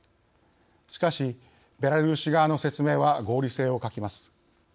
しかし、ベラルーシ側の説明は合理性を欠きます。